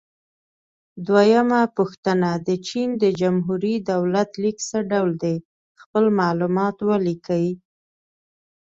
دویمه پوښتنه: د چین د جمهوري دولت لیک څه ډول دی؟ خپل معلومات ولیکئ.